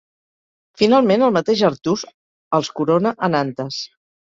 Finalment, el mateix Artús els corona a Nantes.